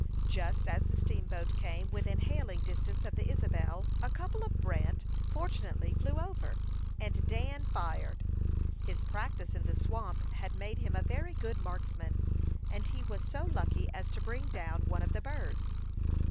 Just as the steamboat came within hailing distance of the Isabel, a couple of brant fortunately flew over, and Dan fired. His practice in the swamp had made him a very good marksman, and he was so lucky as to bring down one of the birds.